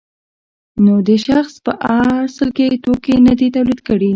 نو دې شخص په اصل کې توکي نه دي تولید کړي